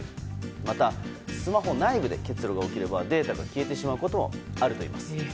またスマホ内部で結露が起きればデータが消えてしまうこともあるといいます。